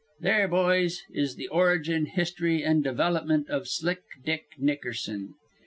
There, boys, is the origin, history and development of Slick Dick Nickerson.